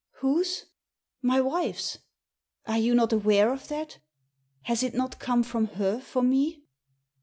"Whose? My wife's. Are you not aware of that? Has it not come from her for me?